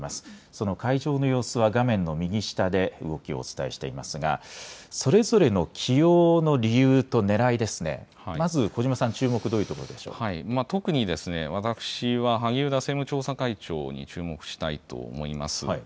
その会場の様子は画面の右下で動きをお伝えしていますが、それぞれの起用の理由とねらいですね、まず、小嶋さん、注目、特に私は萩生田政務調査会長に注目したいと思います。